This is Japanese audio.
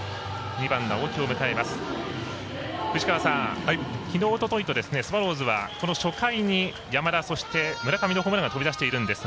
２番の青木を迎えます。